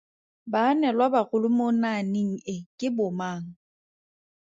Baanelwabagolo mo naaneng e ke bomang?